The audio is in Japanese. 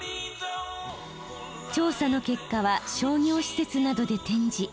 調査の結果は商業施設などで展示。